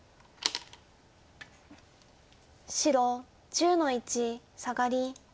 白１０の一サガリ。